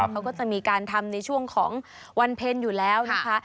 เขาก็จะมีการทำในช่วงของวันเพ็ญอยู่แล้วนะคะ